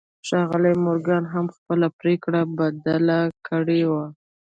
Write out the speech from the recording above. ښاغلي مورګان هم خپله پرېکړه بدله کړې وه.